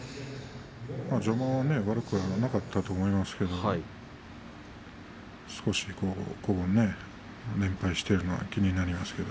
序盤は悪くはなかったと思いますけれど少し連敗しているのが気になりますけれど。